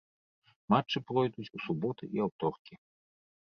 Матчы пройдуць у суботы і аўторкі.